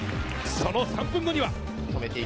その３分後には。